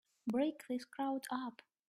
Break this crowd up!